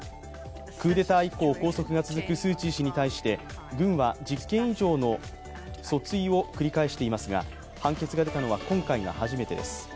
クーデター以降、拘束が続くスー・チー氏に対して軍は１０件以上の訴追を繰り返していますが、判決が出たのは今回が初めてです。